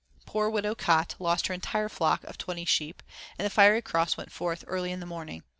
Poor Widow Cot lost her entire flock of twenty sheep, and the fiery cross went forth early in the morning.